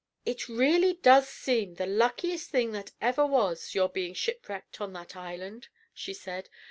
] "It really does seem the luckiest thing that ever was, your being shipwrecked on that island," she said.